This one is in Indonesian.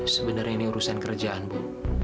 sebenarnya ini urusan kerjaan bu